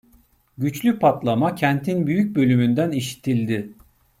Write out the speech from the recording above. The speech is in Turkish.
Güçlü patlama kentin büyük bölümünden işitildi.